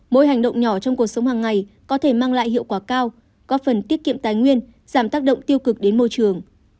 mỗi hành động nhỏ trong cuộc sống hàng ngày có thể mang lại hiệu quả cao góp phần tiết kiệm tài nguyên giảm tác động tiêu cực đến môi trường